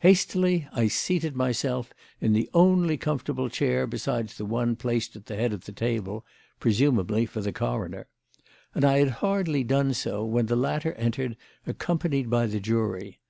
Hastily I seated myself in the only comfortable chair besides the one placed at the head of the table, presumably for the coroner; and I had hardly done so when the latter entered accompanied by the jury.